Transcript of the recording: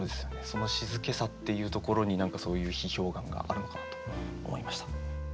そのしずけさっていうところに何かそういう批評眼があるのかなと思いました。